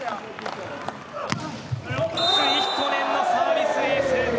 スイヒコネンのサービスエース。